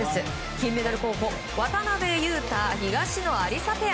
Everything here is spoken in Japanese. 金メダル候補渡辺勇大、東野有紗ペア。